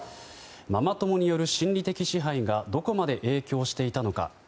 ママ友による心理的支配がどこまで影響していたのか。